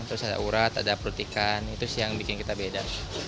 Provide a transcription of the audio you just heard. terus ada urat ada perutikan itu sih yang bikin kita beda